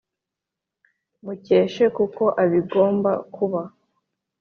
mukeshe kuko abigomba kuba